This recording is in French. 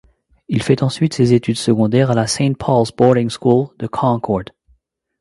Il fait ensuite ses études secondaires à la Saint-Paul's Boarding School de Concord.